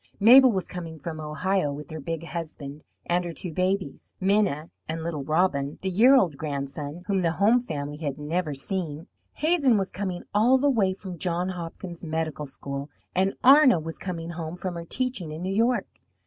Mabel was coming from Ohio with her big husband and her two babies, Minna and little Robin, the year old grandson whom the home family had never seen; Hazen was coming all the way from the Johns Hopkins Medical School, and Arna was coming home from her teaching in New York.